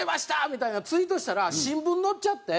みたいなツイートしたら新聞載っちゃって。